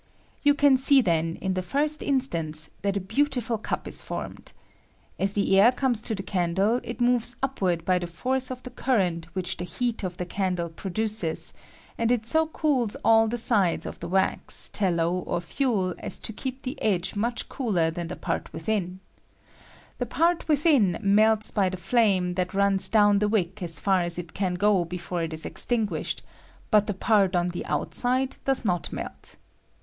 You see then, in the first instance, that a beautiful cup is formed. As the air comes to the candle, it moves upward by the force of the current which the heat of the candle produces, and it so cools all the aides of the wax, tallow, ^ CiNDLES OP lEEEGULAB SHAPE. ■or fuel aa to keep the edge mucli cooler than the part witMn ; the part within melta by the flame that runs down the wick as far as it can go before it is extinguished, but the part on the outside does not melt.